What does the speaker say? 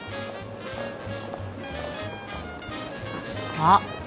あっ。